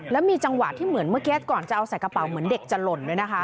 แล้วมีจังหวะที่เหมือนเมื่อกี้ก่อนจะเอาใส่กระเป๋าเหมือนเด็กจะหล่นด้วยนะคะ